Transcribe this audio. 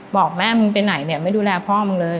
บอกแม่มึงไปไหนเนี่ยไม่ดูแลพ่อมึงเลย